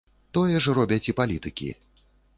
Тое ж робяць і палітыкі.